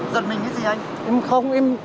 giật mình cái gì anh